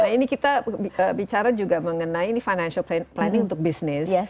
nah ini kita bicara juga mengenai ini financial planning untuk bisnis